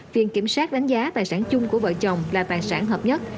viện kiểm sát đánh giá tài sản chung của vợ chồng là tài sản hợp nhất